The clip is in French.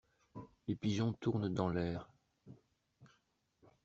Les pigeons tournent dans l'air.